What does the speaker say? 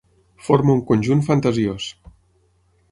Forma un conjunt fantasiós.